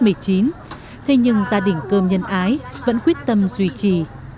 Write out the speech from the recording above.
covid một mươi chín thế nhưng gia đình cơm nhân ái vẫn quyết tâm duy trì